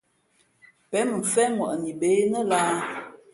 Pěn mʉnfén ŋwαʼni bê nά lāhā ?